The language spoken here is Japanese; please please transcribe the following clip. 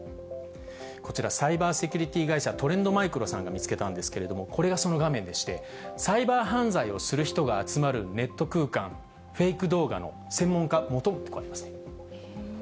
こちら、サイバーセキュリティー会社、トレンドマイクロさんが見つけたんですけれども、これがその画面でして、サイバー犯罪をする人が集まるネット空間、フェイク動画の専門家求むってあります。